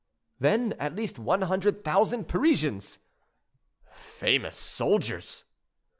"Then, at least one hundred thousand Parisians." "Famous soldiers!"